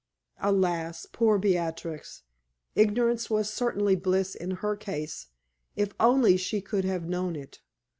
Alas! poor Beatrix! ignorance was certainly bliss in her case, if only she could have known it.